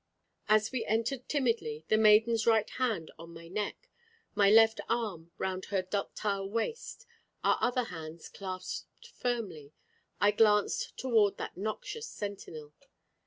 As we entered timidly, the maiden's right hand on my neck, my left arm round her ductile waist, our other hands clasped firmly, I glanced toward that noxious sentinel.